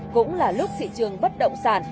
cũng là lúc thị trường bất động sản